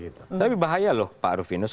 tapi bahaya loh pak rufinus